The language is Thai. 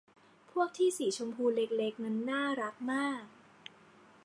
พวกที่สีชมพูเล็ก ๆ นั้นน่ารักมาก